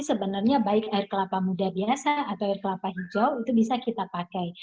sebenarnya baik air kelapa muda biasa atau air kelapa hijau itu bisa kita pakai